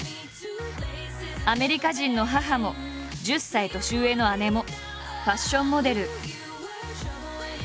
アメリカ人の母も１０歳年上の姉もファッションモデル。